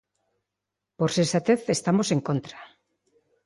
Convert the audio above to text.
Por sensatez estamos en contra.